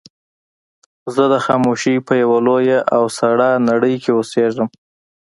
زه د خاموشۍ په يوه لويه او سړه نړۍ کې اوسېږم.